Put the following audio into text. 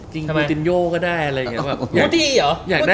จริงตื้นโย้ก็ได้อะไรอย่างนี้